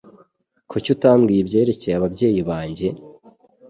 Kuki utambwiye ibyerekeye ababyeyi banjye?